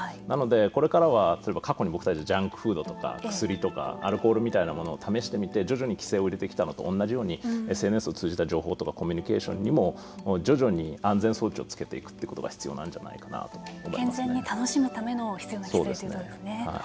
なので、これからは過去に僕たちジャンクフードとか薬とかアルコールみたいなものを試してみて徐々に規制を入れてきたのと同じようにＳＮＳを通じた情報とかコミュニケーションにも徐々に安全装置をつけていくことが必要なんじゃないかなと健全に楽しむためにそうですね。